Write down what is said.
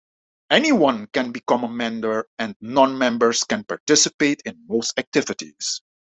Anyone can become a member and non-members can participate in most activities.